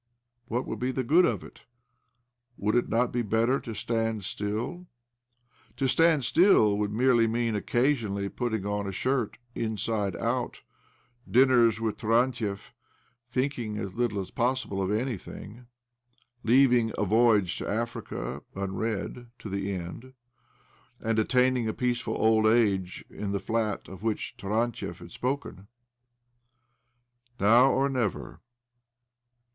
What would be the good of it ? Would it not be better to stand still? To stand still would merely mean occasionally putting on a shirt inside out, dinners with Tarantiev, thinking as little as possible of anything, leaving! " A Voyage to Africa " unread to the end, and attaining a peaceful old age in the flat of which Taran tiev had spoken. " Now or never."